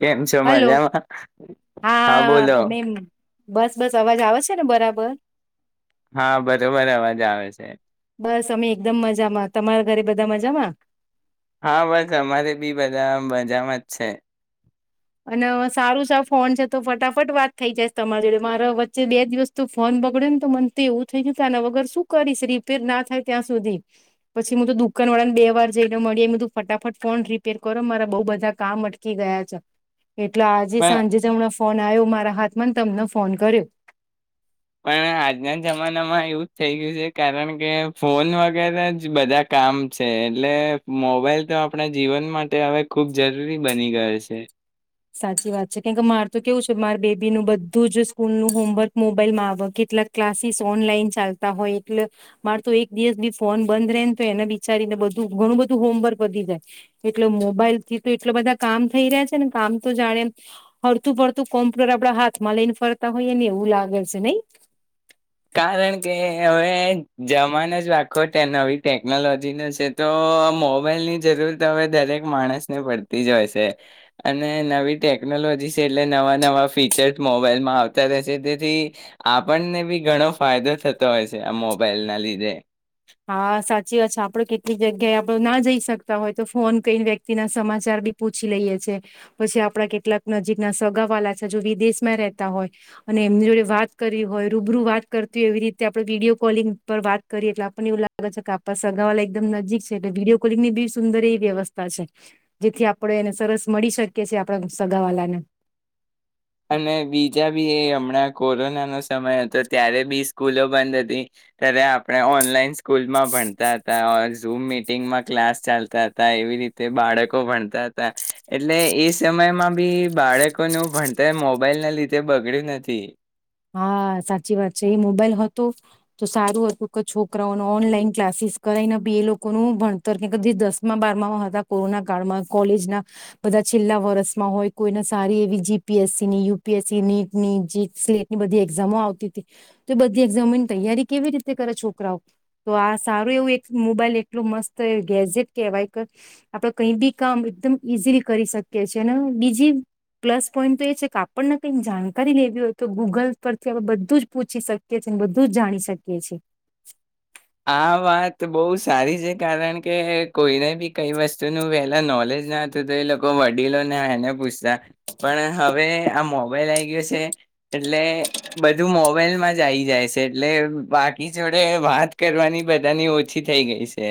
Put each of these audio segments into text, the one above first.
કેમ છો હલો મજામાં હા બોલો બસ બસ અવાજ આવે છે ને બરાબર હા બરોબર અવાજ આવે છે બસ અમે એકદમ મજામાં તમારા ઘરે બધા મજામાં હા બસ અમારે બી બધા મજામાં જ છે અને સારું સા ફોન છે તો ફટાફટ વાત થઇ જાયશ તમારી જોડે મારા વચ્ચે બે દિવસ તો ફોન બગડ્યો ને તો મન તો એવું થઈ જતું ને વગર શું કરીશ રિપેર ના થાય ત્યાં સુધી પછી મું તો દુકાન વાળા ને બે વાર જઈને મળીએધું ફટાફટ ફોન રિપેર કરો મારા બઉ બધા કામ અટકી ગયા છે એટલે આજે પણ સાંજે જ હમણાં ફોન આવ્યો મારા હાથમાં તમને ફોન કર્યો પણ આજના જમાનામાં એુંજ થઈ ગયું છે કારણ કે ફોન વગેરે જ બધા કામ છે એટલે મોબાઈલ તો આપણા જીવન માટે હવે ખૂબ જરૂરી બની ગયો છે સાચી વાત છે કે કે માર તો કેવું છે મારે બેબીનુંું બધું જ સ્કૂલનુંું હોમવર્ક મોબાઈલમાં આવે કેટલાક ક્લાસીસ ઓનલાઈન ચાલતા હોય એટલે માર તો એક દિવસ બી ફોન બંધ રહે ને તો એને બિચારીને બધું ઘણું બધું હોમવર્ક વધી જાય એટલે મોબાઈલ થી તો એટલા બધા કામ થઈ રહ્યા છે ને કામ તો જાણે હડતું પડતું કોમ્પ્યુટર આપડા હાથમાં લઈને ફરતા હોઈએ ને એવું લાગે છે નહી કારણ કે હવે જમાનો જ રાખો ત્યાં નવી ટેકનોલોજી નો છે તો મોબાઈલની જરૂરત હવે દરેક માણસને પડતી જ હોય છે અને નવી ટેકનોલોજી છે એટલે નવા નવા ફીચર્સ મોબાઈલમાં આવતા રહેશે તેથી આપણને બી ઘણો ફાયદો થતો હોય છે આ મોબાઈલ ના લીધે હા સાચી વાત છે આપડ કેટલીક જગ્યાએ આપડ ના જઈ શકતા હોય તો ફોન કને વ્યક્તિ ના સમાચાર બી પૂછી લઈએ છે પછી આપડા કેટલાક નજીક ના સગા વાળ છે જો વિદેશમાં રતા હોય અને એમની જોડે વાત કરી હોય રૂબરૂ વાત કરતું હોય એવી રીતે આપડે વિડીયો કોલિંગ પર વાત કરીએ એટલે ને એવું લાગે છે કે આપણા સગા વાલા એકદમ નજીક છે એટલે વિડીયો કોલિંગ ની બી સુંદર એવી વ્યવસ્થા છે જેથી આપણે એને સરસ મળી શકીએ છીએ આપણા સગાવાલાને અને બીજા બી એ હમણાં કોરોના નો સમય હતો ત્યારે બી સ્કૂલો બંધ હતી ત્યારે આપણે ઓનલાઈન સ્કૂલમાં ભણતા હતા ઝૂમ મિટિંગમાં ક્લાસ ચાલતા હતા એવી રીતે બાળકો ભણતા હતા એટલે એ સમયમાં બી બાળકોનું ભણ તે મોબાઈલ ના લીધે બગડ્યું નથી હા સાચી વાત છે એ મોબાઈલ હતો તો સારું હતું કે છોકરાઓને ઓનલાઈન ક્લાસીસ કરાયને બી એ લોકોનું ભણતર કે જે દસમા બારમામાં હતા કોરોના કાળમાં કોલેજના બધા છેલ્લા વર્ષમાં હોય કોઈને સારી એવી જીપીએસસી ની યુપીએસસી નીટ ની જે ની બધી એક્ઝામો આવતી હતી તો એ બધી એક્ઝામોની તૈયારી કેવી રીતે કરે છોકરાઓ તો આ સારું એવું એક મોબાઈલ એટલોું મસ્ત ગેઝેટ કહેવાય કે આપડે કઈ બી કામ એકદમ ઈઝીલી કરી શકીએ છીએ અને બીજી પ્લસ પોઈન્ટ તો એ છે કે આપણને કઈક જાણકારી લેવી હોય તો ગૂગલ પરથી આપણે બધું જ પૂછી શકીએ છીએ અને બધું જ જાણી શકીએ છીએ આ વાત બહુ સારી છે કારણ કે કોઈને બી કઈ વસ્તુનું વહેલા નોલેજ ના હતું તો એ લોકો વડીલોને એને પૂછતા પણ હવે આ મોબાઈલ આવી ગયો છે એટલે બધું મોબાઈલમાં જ આવી જાય છે એટલે બાકી જોડે વાત કરવાની બધાની ઓછી થઈ ગઈ છે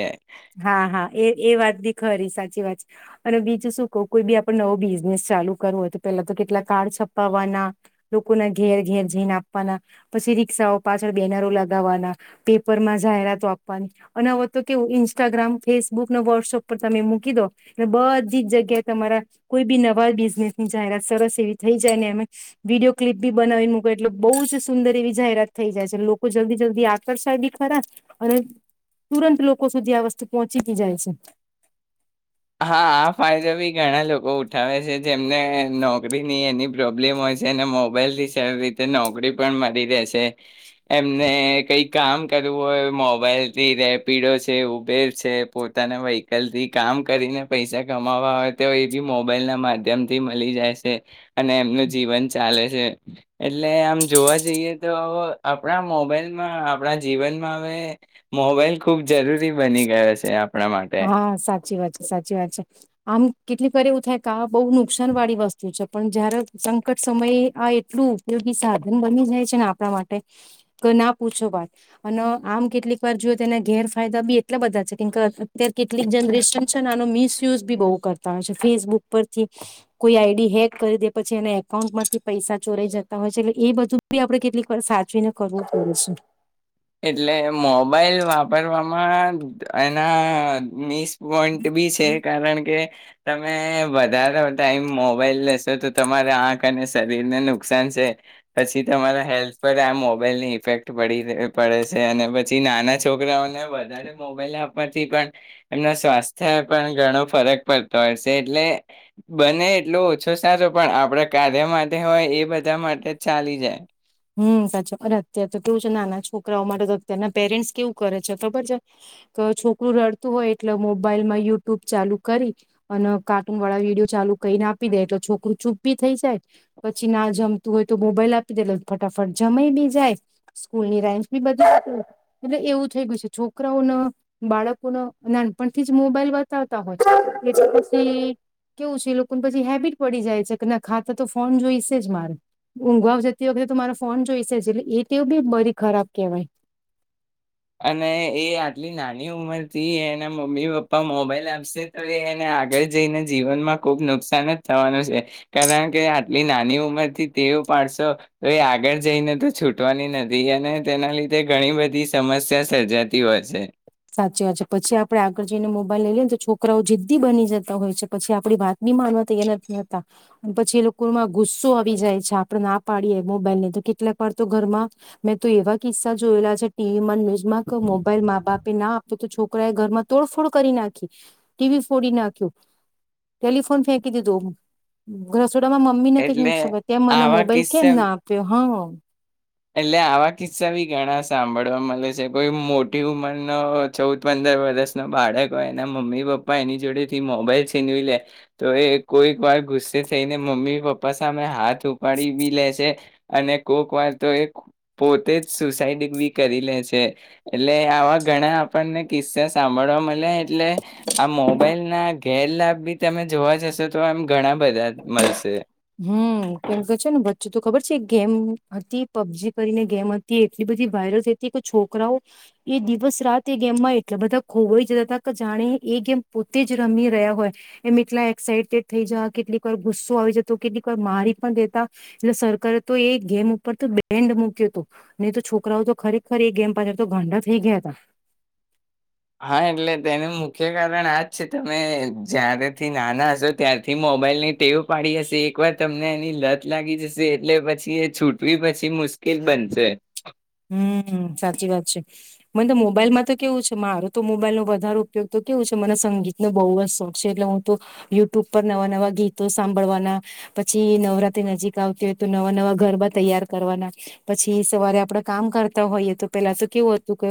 હા હા એ એ વાત બી ખરી સાચી વાત છે અને બીજું શું કહ કોઈ બી આપડે નવો બિઝનેસ ચાલુ કરવો હોય તો પેલા તો કેટલા કાર્ડ છપાવવાના લોકોના ઘેર ઘેર જઈન આપવાના પછી રી્ષાઓ પાછળ બેનરો લગાવવાના પેપર માં જાહેરાતો આપવાની અને હવે તો કેવું ઇ ઇન્સ્ટાગ્રામ ફેસબુક ને વોટ્સઅપ પર તમે મૂકી દો એટલે બધી જગ્યાએ તમારા કોઈ બી નવા બિઝનેસ ની જાહેરાત સરસ એવી થઈ જાય ને અમે વિડીયો ક્લિપ બી બનાવી મૂકો એટલે બહુ જ સુંદર એવી જાહેરાત થઈ જાય છે લોકો જલ્દી જલ્દી આકર્ષાય બી ખરા અને તુરંત લોકો સુધી પહોંચીથી જાય છે હા આ ફાયદો બી ઘણા લોકો ઉઠાવે છે જેમને નોકરીની એની પ્રોબ્લેમ હોય છે અને મોબાઈલ થી સારી રીતે નોકરી પણ મળી રહેે છે એમને કઈ કામ કરવું હોય મોબાઈલથી રેપિડો છે ઉબેર છે પોતાના વ્હીકલથી કામ કરીને પૈસા કમાવવા હોય તો એ બી મોબાઈલ ના માધ્યમ થી મળી જાય છે અને એમનું જીવન ચાલે છે એટલે આમ જોવા જઈએ તો આપણા મોબાઈલમાં આપણા જીવનમાં હવે મોબાઈલ ખુબ જરૂરી બની ગયો છે આપણા માટે. હા સાચી વાત છે સાચી વાત છે આમ કેટલીક વાર એવું થાય કે આ બહુ નુકસાન વાળી વસ્તુ છે પણ જયારે સંકટ સમયે આ એટલું ઉપયોગી સાધન બની જાય છે ને આપણા માટે કે ના પૂછો વાત અને આમ કેટલીક વાર જોએ તેના ગેરફાયદા બી એટલા બધા છે કેમ કે અત્યારે કેટલીક જનરેશન છે ને આનો મિસયુઝ બી બહુ કરતા હોય છે ફેસબુક પરથી કોઈ આઈડી હેક કરી દે પછી એના એકાઉન્ટમાંથી પૈસા ચોરાઈ જતા હોય છે એટલે એ બધું બી આપડે કેટલીક વા સાચવીને કરવું પડે છે એટલે મોબાઈલ વાપરવામાં એના મસ વોન્ટ બી છે કારણ કે તમે વધારેો ટાઈમ મોબાઈલ લેશો તો તમારા આંખ અને શરીરને નુકસાન છે પછી તમારા હેલ્થ પર આ મોબાઈલ ની ઇફેક્ટ પડી પડે છે અને પછી નાના છોકરાઓને વધારે મોબાઈલ આપવાથી પણ એમના સ્વાસ્થ્ય પણ ઘણો ફરક પડતો હોય છે એટલે બને એટલો ઓછો સારો પણ આપણા કાર્ય માટે હોય એ બધા માટે જ ચાલી જાય હમ સાચો અરે અત્ય્યારે તો કેવું છે ના ના છોકરાઓ મારે તો અત્યારના પેરેન્ટ્સ કેવું કરે છે બબર છે કે છોકરું રડતું હોય એટલે મોબાઈલ માં યુટ્યુબ ચાલુ કરી અને કાર્ટૂન વાળા વિડીિયો ચાલુ કહીને આપી દે એટલે છોકરું ચૂપ બી થઇ જાય પછી ના જમતું હોય તો મોબાઈલ આપી દે લ ફટાફટ જમાય બી જાય સ્કૂલ ની રાેન્જ બી બદલા એટલે એવું થઈ ગયું છે છોકરાઓ ન બાળકો ન નાનપણથી જ મોબાઈલ બતાવતા હોય એટલે પછી કેવું છે એ લોકોને પછી હેબિટ પડી જાય છે કે ના ખાતા તો ફોન જોઈશે જ મારે ઊંઘ આવ જતી વખતે મારો ફોન જોઈશેટલે એ તેવ બ બધી ખરાબ કેહેવાય અને એ આટલી નાની ઉંમર થી એના મમ્મી પપ્પા મોબાઈલ આપશે તો એ એને આગળ જઈને જીવનમાં ખુબ નુકસાન જ થવાનું છે કારણ કે આટલી નાની ઉંમરથી તેવું પાડશો તો એ આગળ જઈને તો છૂટવાની નથી અને તેના લીધે ઘણી બધી સમસ્યા સર્જાતી હોય છે સાચી વાત છે પછી આપડે આગળ જઈને મોબાઈલ લઈ લઈએને તો છોકરાઓ જિદ્દી બની જતા હોય છે પછી આપડી વાત બી માનવા તૈયયા નથી હતાતા પછી એ લોકોમાં ગુસ્સો આવી જાય છે આપડે ના પાડીએ મોબાઈલ ને તો કેટલાક વાર તો ઘરમાં મેં તો એવા કિસ્સા જોયેલા છે ટીવીમાં ન્યુઝમાં કે મોબાઈલ મા બાપ ના આપે તો છોકરા એ ઘરમાં તોડફોડ કરી નાખી ટીવી ફોડી નાખ્યો ટેલિફોન ફેંકી દીધો છોડામાં મમ્મીને કઈક એટલે નુકસાન કર ત મને આવા મોબાઈલ કેમ કિસ્સા ના આપ્યો હા એટલે આવા કિસ્સા બી ઘણા સાંભળવા મળે છે કોઈ મોટી ઉંમરનો ચૌદ પંદર વર્ષ ન બાળક હોય એના મમ્મી પપ્પા એની જોડે થી મોબાઈલ છીનવી લે તો એ કોઈક વાર ગુસ્સે થઈને મમ્મી પપા સામે હાથ સુપાડી બી લે છે અને કોક વાર તો એ પોતે જ સુસાઈડ બી કરી લે છે એટલે આવા ઘણા આપણને કિસ્સા સાંભળવા મળ્યા એટલે આ મોબાઈલ ઘેરલાાભ બી તમે જોવા જશો તો એમ ઘણા બધા મળશે હમમ કે છે ને વચ્ચે તો ખબર છે ગેમ હતી પબજી કરીને ગેમ હતી એટલી બધી વાયરલ થઈ હતી કે છોકરાઓ એ દિવસ રાત એ ગેમમાં એટલા બધા ખોવાઈ જતા હતા કે જાણે એ ગેમ પોતે જ રમી રહ્યા હોય એમ એટલા એક્સાાઈટેડ થઇ જ કેટલીક વાર ગુસ્સો આવી જતા તો કેટલીક વાર મારી પણ દેતા એટલે સરકારે તો એ ગેમ ઉપર તો બેન્ડ મુૂક્યો હતો નહી તો છોકરાઓ તો ખરેખર એ ગેમ પાછળ તો ગાંડા થઈ ગયા હતા હા એટલે તેનું મુખ્ય કારણ આજ છે તમે જારેથી નાના હશો ત્યારથી મોબાઈલ ની ટેવ પાડી હશે એકવાર તમને એની લત લાગી જશે એટલે પછી એ છૂટવી પછી મુશ્કેલ બનશે હમ સાચી વાત છે મને તો મોબાઈલમાં તો કેવું છે મારો તો મોબાઈલ નો વધારે ઉપયોગ તો કેવું છે મને સંગીતનોો બહુ જ શોખ છે એટલે હું તો યુટ્યુબ પર નવા નવા ગીતો સાંભળવાના પછી નવરાત્રી નજીક આવતી હોય તો નવા નવા ગરબા તૈયાર કરવાના પછી સવારે આપડા કામ કરતા હોઈએ તો પેલા તો કેવું હતું કે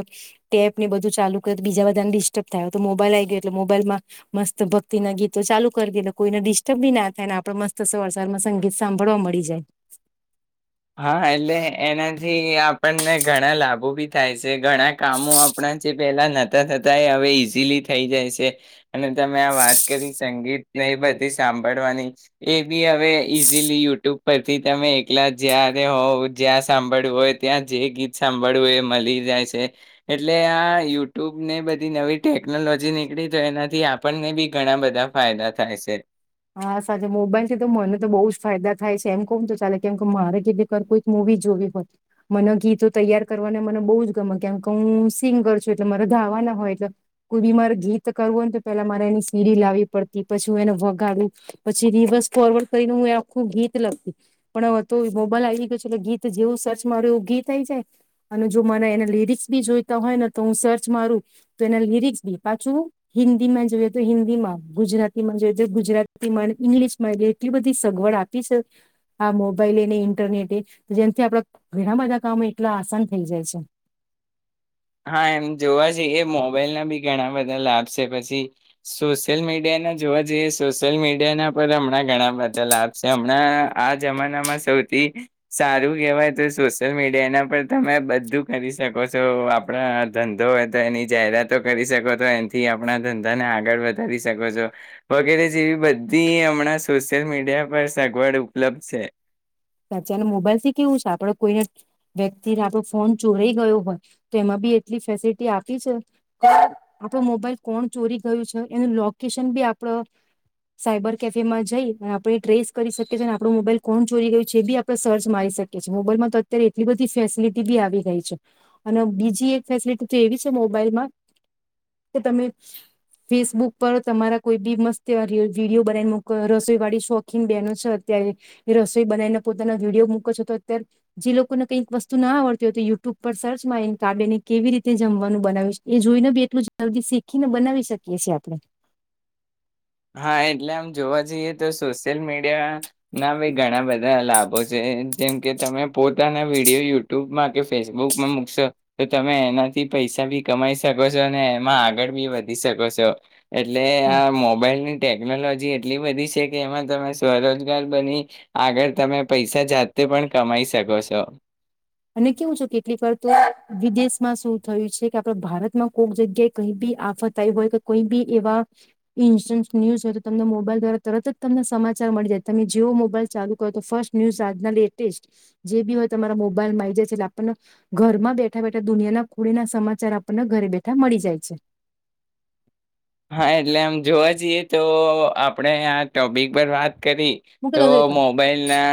ટેપ ને બધું ચાલુ કર બીજા બધાને ડિસ્ટર્બ થાયય તો મોબાઈલ આ ગયો એટલે મોબાઈલમાં મસ્ત ભક્તિ ના ગીતો ચાલુ કરી દે એટલે કોઈને ડિસ્ટર્બ બી ના થાય ને આપડે મસ્ત સવાર સરમાં સંગીત સાંભળવા મળી જાય હા એટલે એનાથી આપણને ઘણા લાભો બી થાય છે ઘણા કામો આપણા જે પેલા નહોતા થતા એ હવે ઈઝીલી થઈ જાય છે અને તમે આ વાત કરી સંગીતને બધી સાંભળવાની એ બી હવે ઈઝીલી યુટ્યુબ પરથી તમે એકલા જય્યારે હોઉવ જ્યાં સાંભળવું હોય ત્યાં જે ગીત સાંભળવું હોય એ મળી જાય છે એટલે આ યુટ્યુબ ને બધી નવી ટેકનોલોજી નીકળી તો એનાથી આપણને બી ઘણા બધા ફાયદા થાય છે હા સાચ મોબાઈલ થી તો મને તો બહુ જ ફાયદા થાય છે એમ કોણ તો ચાલે કેમ કે મારે ગી કોઈક મુવી જોવી હોય મને ગીતો તૈયાર કરવાને મને બહુ જ ગમે કેમકે હું સિંગ કર છું એટલે મારે ધાવાના હોય એટલે કોઈ બી મારે ગીત કરવું હો ને તો પેલા મારે એની સીરી લાવવી પડતી પછી હું એને વ પછી રિવર્સ ફોરવર્ડ કરીને હું આખું ગીત લગતી પણ હવે તો મોબાઈલ આવી ગયો છે એટલે ગીત જેવું સર્ચ માર એવું ગીત આઈ જાય અને જો મને એના લિરિક્સ બી જોઈતા હોય ને તો હું સર્ચ મારું તો એના લિરિક્સ બી પાછું હિન્દી માં જોઈએ તો હિન્દી માં ગુજરાતીમાં જોઈ જે ગુજરાતીમાં ઇંગ્લિશમાં એટલી બધી સગવડ આપી છે આ મોબાઈલે ને ઇન્ટરનેટે જેનાથી આપડા ઘણા બધા કામો એટલા આસાન થઈ જાય છે હા એમ જોવા જઈએ મોબાઈલના બી ઘણા બધા લાભ છે પછી સોશિયલ મીડિયાના જોવા જઈએ સોશિયલ મીડિયાના પર હમણાં ઘણા બધા લાભ છે હમણાં આ જમાનામાં સૌથી સારું કહેવાય તો સોશિયલ મીડિયાના પર તમે બધું કરી શકો છો આપણા ધંધો હોય તો એની જાહેરાતો કરી શકો છ એથી આપણા ધંધાને આગળ વધારી શકો છો વગેરે જેવી બધી હમણાં સોશિયલ મીડિયા પર સગવડ ઉપલબ્ધ છે અતારનો મોબાઈલ થી કેવું છે આપડ કોઈને વ્યક્તિને આપડો ફોન ચોરાઈ ગયો હોય તો એમાં બી એટલી ફેસિલિટી આપી છે આપડો મોબાઈલ કોણ ચોરી ગયું છે એનું લોકેશન બી આપડ સાયબર કેફે માં જઈ અને આપડે એ ટ્રેસ કરી શકીએ છે અને આપડો મોબાઈલ કોણ ચોરી ગયું જે. બી આપ સર્ચ મારી શકીએએ મોબાઈલમાં તો અત્યારે એટલી બધી ફેસિલિટી બી આવી ગઈ છે અને બીજી એક ફેસિલિટી તો એવી છે મોબાઈલમાં કે તમે ફેસબુક પર તમારા કોઈ બી મસ્ત વિડીયો બનાવીને મક રસોઈ વાળી શોખીન બહેનો છે અત્યારે રસોઈ બનાવીને પોતાના વિડીયો મૂકો છો તો અત્યારે જે લોકોને કંઈક વસ્તુ ના આવડતી હોય તો યુટ્યુબ પર સર્ચમાંને કાબે ને કેવી રીતે જમવાનું બનાવીશ એ જોઈને બી એટલું જલ્દી શીખીને બનાવી શકીએ છેીએ આપણે હા એટલે આમ જોવા જઈએ તો સોશિયલ મીડિયા ના ભ ઘણા બધા લાભો છે જે જેમ કે તમે પોતાના વિડીયો યુટ્યુબમાં કે ફેસબુકમાં મૂકશો તો તમે એનાથી પૈસા બી કમાઈ શકો છો અને એમાં આગળ બી વધી શકો છો એટલે આ મોબાઈલ ટેકનોલોજી એટલી બધી છે કે એમાં તમે સ્વરોજગાર બની આગળ તમે પૈસા જાતે પણ કમાઈ શકો છો અને કેવું છે કેટલી વાર તો વિદેશમાં શું થયું છે કે આપડ ભારતમાં કોઈક જગ્યાએ કઈ બી આફત આવી હોય કે કોઈ બી એવા ઇન્સ્ટન્ટ ન્યુઝ હોય તો તમને મોબાઈલ દ્વારા તરત જ તમને સમાચાર મળી જાય તમે જેવો મોબાઈલ ચાલુ કરો તો ફર્સ્ટ ન્યુઝ આજના લેટેસ્ટ જે બી હોય તમારા મોબાઈલ મોબાઈલમાં આ આવી જાય છે એટલે આપણને ઘરમાં બેઠા બેઠા દુનિયાના ખોડી ના સમાચાર આપણને ઘરે બેઠા મળી જાય છે હા એટલે આમ જોવા જઈએ તો આપણેે આ ટોપિક પર વાત કરી તો મૂકી દઉ મોબાઈલના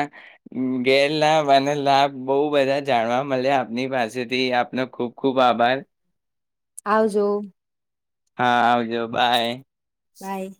ગેરલાભ અને લાભ બહુ બધા જાણવા મળ્યા આપની પાસેથી આપનો ખુબ ખુબ આભાર આવજો હા આવજ જો બાય બાય